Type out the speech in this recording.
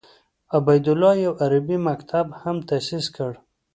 عبیدالله یو عربي مکتب هم تاسیس کړ.